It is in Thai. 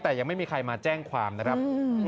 แต่ยังไม่มีใครมาแจ้งความนะครับ